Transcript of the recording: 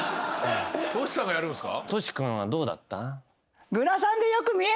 としさんがやるんすか？